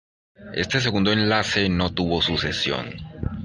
Este segundo enlace no tuvo sucesión.